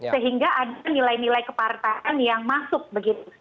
sehingga ada nilai nilai kepartaan yang masuk begitu